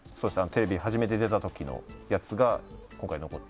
テレビに初めて出た時のやつがほら、